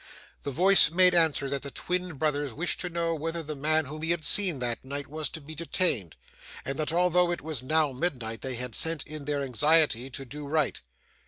The voice made answer that the twin brothers wished to know whether the man whom he had seen that night was to be detained; and that although it was now midnight they had sent, in their anxiety to do right.